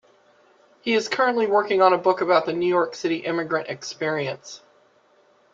He is currently working on a book about the New York City immigrant experience.